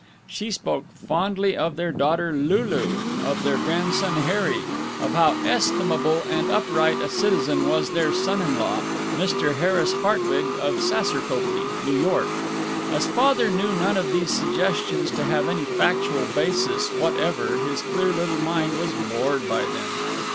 She spoke fondly of their daughter Lulu, of their grandson Harry, of how estimable and upright a citizen was their son in law, Mr. Harris Hartwig of Saserkopee, New York. As Father knew none of these suggestions to have any factual basis whatever his clear little mind was bored by them.